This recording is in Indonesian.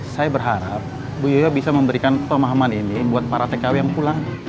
saya berharap bu yoyo bisa memberikan pemahaman ini buat para tkw yang pulang